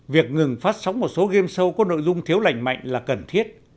việc ngừng phát sóng một số game show có nội dung thiếu lành mạnh là cần thiết